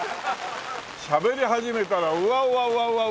しゃべり始めたらうわうわうわうわ！